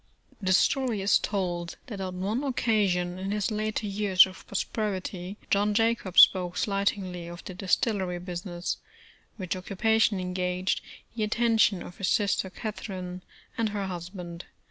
The story is told that on one occasion in his later years of prosperity, John Jacob spoke slightingly of the distillery business, which occupation engaged the attention of his sister Catherine, and her husband.